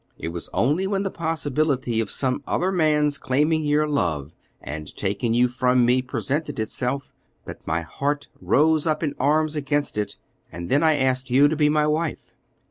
It was only when the possibility of some other man's claiming your love and taking you from me presented itself, that my heart rose up in arms against it, and then I asked you to be my wife."